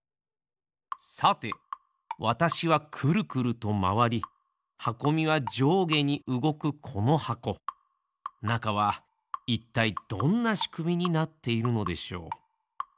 さてわたしはくるくるとまわりはこみはじょうげにうごくこのはこなかはいったいどんなしくみになっているのでしょう？